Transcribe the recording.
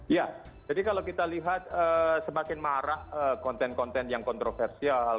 ya jadi kalau kita lihat semakin marah konten konten yang kontroversial